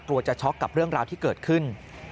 จะช็อกกับเรื่องราวที่เกิดขึ้น